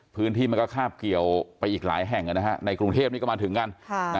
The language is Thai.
พื้นที่มันก็คาบเกี่ยวไปอีกหลายแห่งในกรุงเทพนี่ก็มาถึงกัน